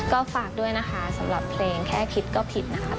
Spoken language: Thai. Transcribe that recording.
ก็ฝากด้วยนะคะสำหรับเพลงแค่คิดก็ผิดนะครับ